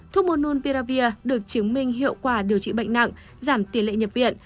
thuốc mononpiravir được chứng minh hiệu quả điều trị bệnh nặng giảm tiền lệ nhập viện